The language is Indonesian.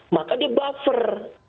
maka dia buffer